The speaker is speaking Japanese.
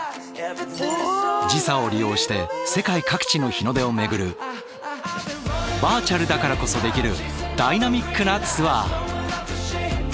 時差を利用して世界各地の日の出を巡るバーチャルだからこそできるダイナミックなツアー！